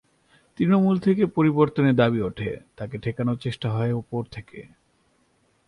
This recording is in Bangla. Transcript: তৃণমূল থেকে পরিবর্তনের দাবি ওঠে, তাকে ঠেকানোর চেষ্টা হয় ওপর থেকে।